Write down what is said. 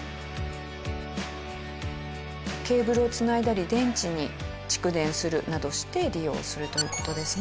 ケーブルをつないだり電池に蓄電するなどして利用するという事ですね。